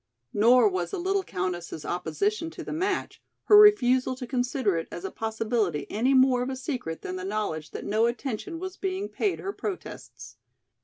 Nor was the little countess's opposition to the match, her refusal to consider it as a possibility any more of a secret than the knowledge that no attention was being paid her protests.